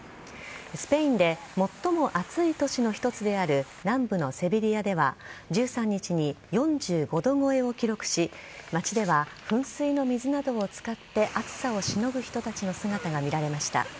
スペインで最も暑い都市の一つである南部のセビリアでは１３日に４５度超えを記録し街では噴水の水などを使って暑さをしのぐ人たちの姿が見られました。